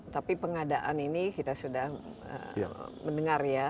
tapi pengadaan ini kita sudah mendengar ya